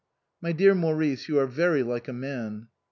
" My dear Maurice, you are very like a man."